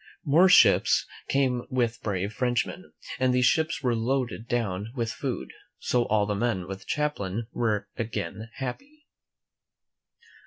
More ships came with brave Frenchmen, and these ships were loaded down with food; so all the men with Champlain were again happy.